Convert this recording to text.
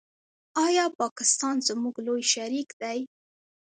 آیا پاکستان زموږ لوی شریک دی؟